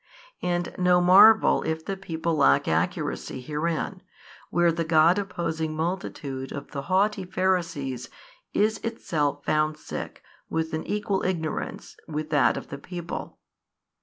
And no marvel if the people |553 lack accuracy herein, where the God opposing multitude of the haughty. Pharisees is itself found sick with an equal ignorance with that of the people.